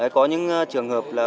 có những trường hợp là